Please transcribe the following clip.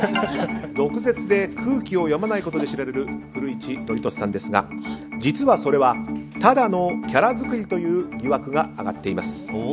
毒舌で空気を読まないことで知られる古市憲寿さんですが実は、それはただのキャラ作りという疑惑が上がっています。